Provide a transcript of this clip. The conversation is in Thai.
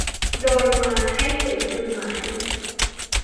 โดยมาให้ถึงจุดหมาย